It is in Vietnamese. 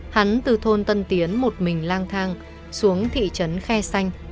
hắn từ thôn tân tiến một mình lang thang xuống thị trấn khe xanh